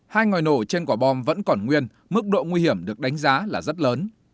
hai ngòi nổ trên quả bom vẫn còn nguyên mức độ nguy hiểm được đánh giá là rất lớn